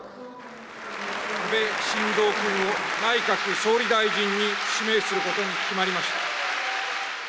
安倍晋三君を内閣総理大臣に指名することに決まりました。